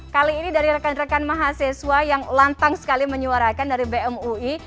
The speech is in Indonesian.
kali ini dari rekan rekan mahasiswa yang lantang sekali menyuarakan dari bem ui